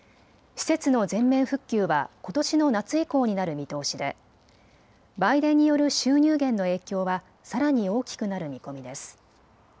施設の全面復旧はことしの夏以降になる見通しで売電による収入減の影響はさらに大きくなる見込みです。